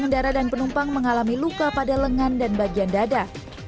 dan penumpang mengalami luka pada lengan dan bagian dada